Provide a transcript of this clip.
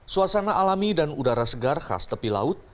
suasana alami dan udara segar khas tepi laut